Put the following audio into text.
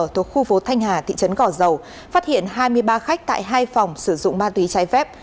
thuộc khu phố thanh hà thị trấn gò dầu phát hiện hai mươi ba khách tại hai phòng sử dụng ma túy trái phép